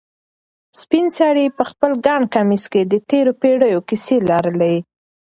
سپین سرې په خپل ګڼ کمیس کې د تېرو پېړیو کیسې لرلې.